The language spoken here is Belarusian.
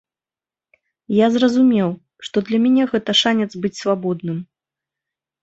Я зразумеў, што для мяне гэта шанец быць свабодным.